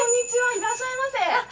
いらっしゃいませ！